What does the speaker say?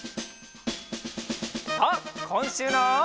さあこんしゅうの。